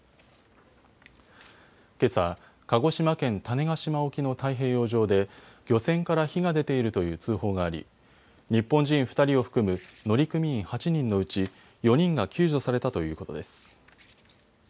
けさ、鹿児島県種子島沖の太平洋上で漁船から火が出ているという通報があり日本人２人を含む乗組員８人のうち４人が救助されたということです。